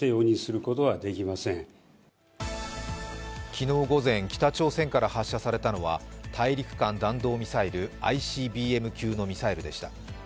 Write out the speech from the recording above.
昨日午前、北朝鮮から発射されたのは大陸間弾道ミサイル、ＩＣＢＭ級のミサイルでした。